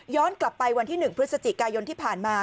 กลับไปวันที่๑พฤศจิกายนที่ผ่านมา